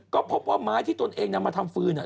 ก็พบว่าไม้ที่ตนเองนำมาทำฟืน